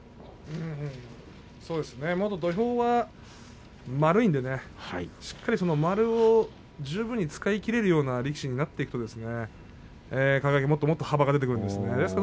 土俵は円いんでねしっかりとその円を十分に使い切れるような力士になっていくと輝もっと幅が出てくるんですね。